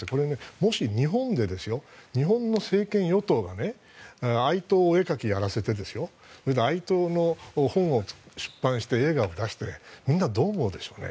もし日本で日本の政権与党が愛党のお絵描きをやらせて愛党の本を出版して映画を出してみんな、どう思うでしょうね。